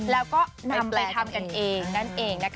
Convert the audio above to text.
แล้วก็นำไปทำกันเอง